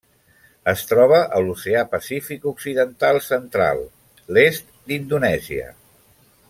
Es troba a l'Oceà Pacífic occidental central: l'est d'Indonèsia.